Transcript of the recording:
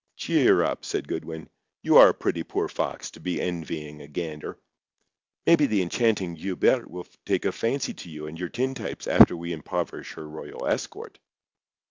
"Cheer up," said Goodwin. "You are a pretty poor fox to be envying a gander. Maybe the enchanting Guilbert will take a fancy to you and your tintypes after we impoverish her royal escort."